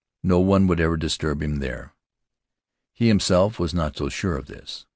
No one would ever disturb him there. He him self was not so sure of this.